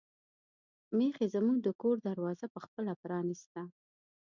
میښې زموږ د کور دروازه په خپله پرانیسته.